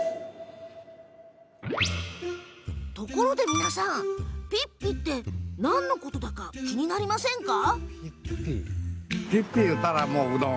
ところで皆さん、「ぴっぴ」って何のことだか気になりませんか？